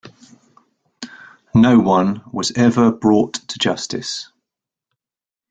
No one was ever brought to justice.